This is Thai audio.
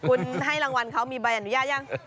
คุณให้รางวัลเขามีใบอนุญาตยัง